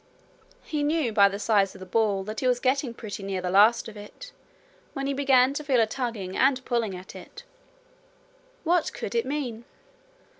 He knew by the size of the ball that he was getting pretty near the last of it, when he began to feel a tugging and pulling at it. What could it mean?